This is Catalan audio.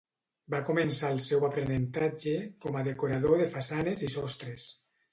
Va començar el seu aprenentatge com a decorador de façanes i sostres.